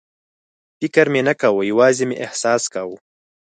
فکر مې نه کاوه، یوازې مې احساس کاوه.